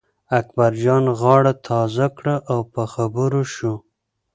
اکبرجان غاړه تازه کړه او په خبرو شو.